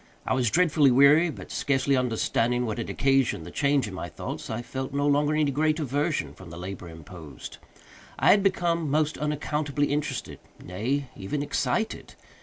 I was dreadfully weary, but, scarcely understanding what had occasioned the change in my thoughts, I felt no longer any great aversion from the labor imposed. I had become most unaccountably interested—nay, even excited.